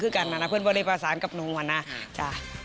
เพื่อนพี่ผู้สัมบาลีประสานครบนู่งวรรณส์